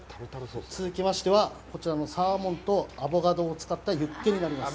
続きましては、こちらのサーモンとアボカドを使ったユッケになります。